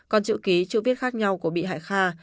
còn chữ ký chữ viết khác nhau của bị hại kha